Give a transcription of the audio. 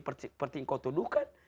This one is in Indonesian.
seperti yang engkau tuduhkan